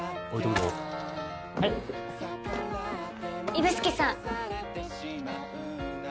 指宿さん！